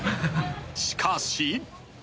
［しかし］